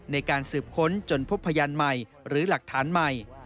ในการสืบค้นจนพบพยานใหม่หรือหลักฐานใหม่